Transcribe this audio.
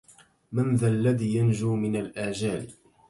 من ذا الذي ينجو من الآجال